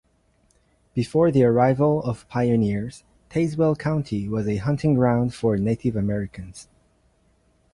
Before the arrival of pioneers, Tazewell County was a hunting ground for Native Americans.